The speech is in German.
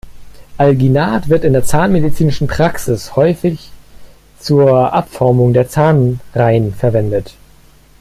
Alginat wird in der zahnmedizinischen Praxis häufig zur Abformung der Zahnreihen verwendet.